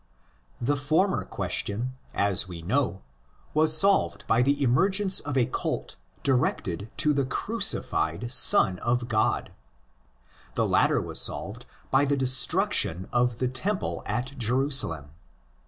The former question, as we know, was solved by the emergence of a cult directed to the crucified Son of God. The latter was solved by the destruc tion of the temple at Jerusalem.